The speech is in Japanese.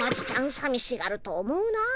さみしがると思うな。